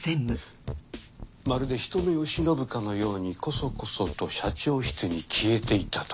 まるで人目を忍ぶかのようにコソコソと社長室に消えていったと。